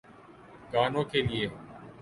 گانوں کیلئے۔